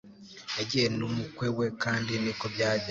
Yagiye n'umukwe we kandi niko byagenze